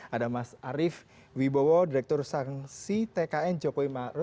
ada mas arief wibowo direktur sangsi tkn jokowi maru